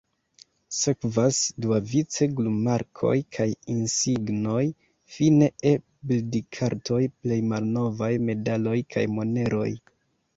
Sekvas duavice glumarkoj kaj insignoj, fine E-bildkartoj plej malnovaj, medaloj kaj moneroj.